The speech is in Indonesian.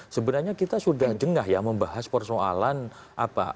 sebenarnya kita sudah jengah ya membahas persoalan apa